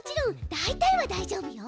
だいたいはだいじょうぶよ。